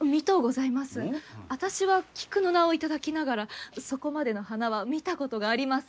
あたしは「菊」の名を頂きながらそこまでの花は見たことがありません。